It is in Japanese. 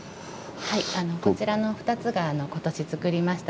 こちらの２つが今年造りました